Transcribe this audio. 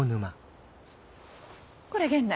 これ源内。